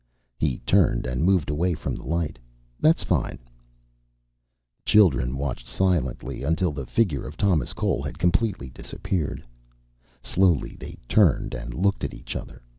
He turned and moved away from the light. "That's fine." The children watched silently until the figure of Thomas Cole had completely disappeared. Slowly, they turned and looked at each other.